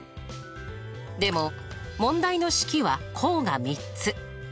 でも問題の式は項が３つ。